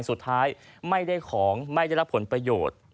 สุดท้ายไม่ได้ของไม่ได้รับผลประโยชน์